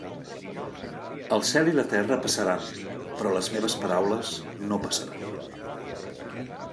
El cel i la terra passaran, però les meves paraules no passaran.